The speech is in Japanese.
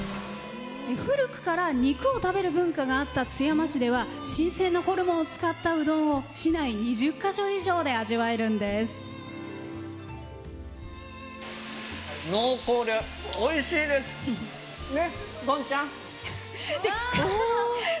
古くから肉を食べる文化があった津山市では新鮮なホルモンを使ったうどんを市内２０か所以上で濃厚でおいしいです！ね？